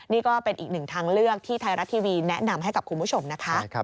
นี่ก็เป็นอีกหนึ่งทางเลือกที่ไทยรัฐทีวีแนะนำให้กับคุณผู้ชมนะคะ